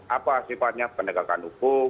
apa sifatnya pendekatan hukum